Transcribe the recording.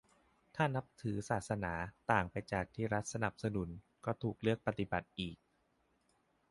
ถ้านับถือศาสนาต่างไปจากที่รัฐสนับสนุนก็ถูกเลือกปฏิบัติอีก